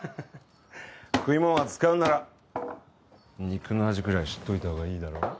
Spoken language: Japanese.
食いもん扱うなら肉の味ぐらい知っといたほうがいいだろ？